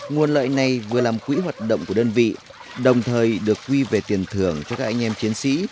nguồn lợi này vừa làm quỹ hoạt động của đơn vị đồng thời được huy về tiền thưởng cho các anh em chiến sĩ